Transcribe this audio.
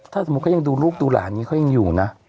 ถ้าสมมุติเขายังดูลูกดูหลานนี้เขายังอยู่นะ